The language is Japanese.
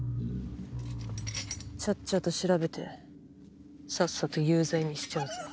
ちゃっちゃと調べてさっさと有罪にしちゃうぞ。